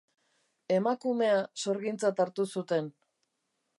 Emakumea sorgintzat hartu zuten.